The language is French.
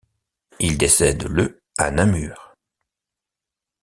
Il décède le à Namur.